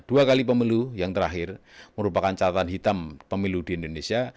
dua kali pemilu yang terakhir merupakan catatan hitam pemilu di indonesia